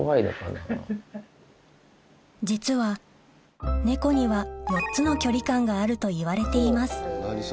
実は猫には４つの距離感があるといわれています